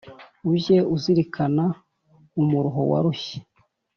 Ujye uzirikana umuruho warushye,